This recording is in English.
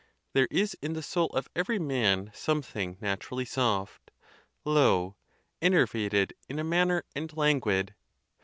There is in the soul of every man something naturally soft, low, enervated in a manner, and languid..